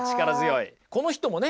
この人もね